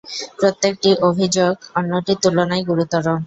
প্রত্যেকটি অভিযোেগ অন্যটির তুলনায় গুরুতর।